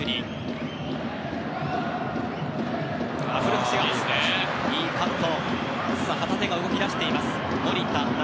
古橋、いいカット。